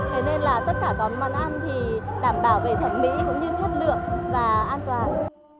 thế nên là tất cả các món ăn thì đảm bảo về thẩm mỹ cũng như chất lượng và an toàn